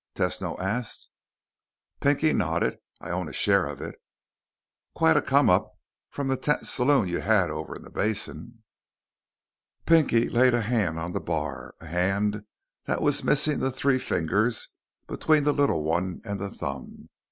Tesno asked. Pinky nodded. "I own a share of it." "Quite a come up from the tent saloon you had over in the basin." Pinky laid a hand on the bar, a hand that was missing the three fingers between the little one and the thumb.